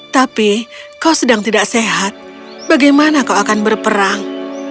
tapi kau sedang tidak sehat bagaimana kau akan berperang